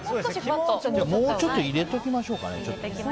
もうちょっと入れておきましょうか。